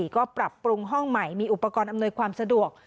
ก็ปรับปรุงห้องใหม่มีอุปกรณ์อำนวยความสะดวก